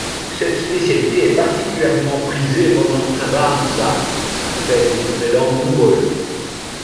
Cette spécialité est particulièrement prisée pendant Tsagaan Sar, la fête du Nouvel An mongol.